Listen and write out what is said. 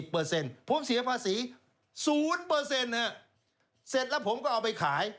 ผมเสียภาษี๐เสร็จแล้วผมก็เอาไปขาย